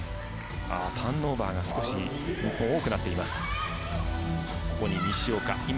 ターンオーバーが少し日本多くなっています。